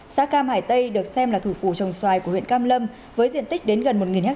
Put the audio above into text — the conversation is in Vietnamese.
xã cam hải tây được xem là thủ phủ trồng xoài của huyện cam lâm với diện tích đến gần một ha